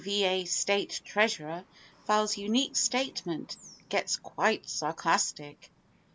Va. State Treas¬ urer Files Unique Statement—Gets Quite Sarcastic.